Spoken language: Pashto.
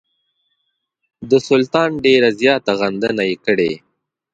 د سلطان ډېره زیاته غندنه یې کړې.